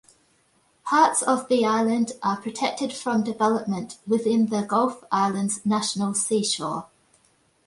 Parts of the island are protected from development within the Gulf Islands National Seashore.